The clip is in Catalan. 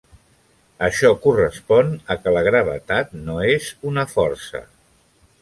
Això correspon a que la gravetat no és una força.